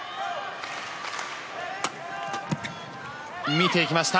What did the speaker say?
見ていきました。